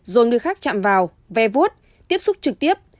rồi người khác chạm vào ve vuốt tiếp xúc trực tiếp